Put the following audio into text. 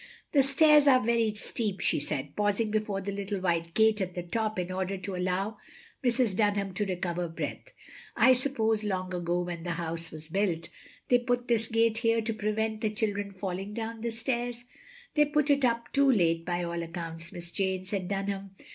"The stairs are very steep," she said, pausing before the little white gate at the top in order to allow Mrs. Dunham to recover breath. " I sup pose long ago, when the house was built, they put this gate here to prevent the children falling down the stairs?" They put it up too late, by all accounts. Miss Jane," said Dunham.